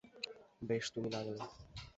বেশ, তুমি না গেলো।